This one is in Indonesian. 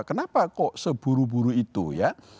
kenapa kok seburu buru itu ya